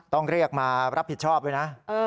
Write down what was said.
ต้องเรียกมารับผิดชอบด้วยนะ